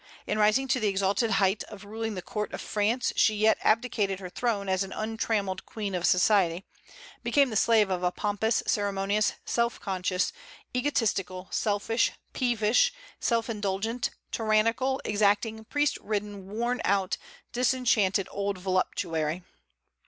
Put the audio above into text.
In rising to the exalted height of ruling the court of France she yet abdicated her throne as an untrammelled queen of society, and became the slave of a pompous, ceremonious, self conscious, egotistical, selfish, peevish, self indulgent, tyrannical, exacting, priest ridden, worn out, disenchanted old voluptuary.